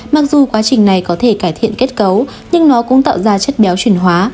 mặc dù quá trình này có thể cải thiện kết cấu nhưng nó cũng tạo ra chất béo truyền hóa